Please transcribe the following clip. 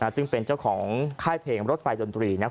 ซึ่งเป็นเจ้าของค่ายเพลงรถไฟดนตรี